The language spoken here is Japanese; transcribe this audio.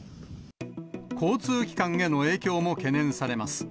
交通機関への影響も懸念されます。